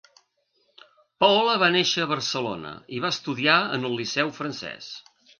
Paola va néixer a Barcelona i va estudiar en el Liceu Francès.